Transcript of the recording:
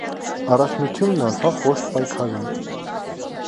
Առաջնությունն անցավ կոշտ պայքարում։